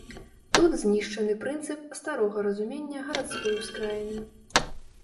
Тут знішчаны прынцып старога разумення гарадской ускраіны.